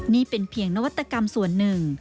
นี่เป็นเพียงนวัตกรรมส่วนหนึ่ง